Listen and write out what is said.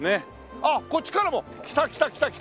あっこっちからも来た来た来た来た。